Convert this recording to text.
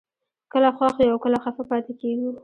کله خوښ یو او کله خفه پاتې کېږو